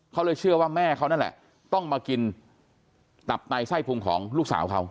เขาเลยเชื่อว่าแม่เขานั่นแหละต้องมากินตับในไส้พุงของลูกสาวเขา